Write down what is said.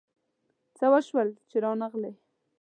څه وشول چي رانغلې ؟